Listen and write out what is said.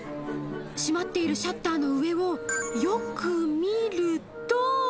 閉まっているシャッターの上をよく見ると。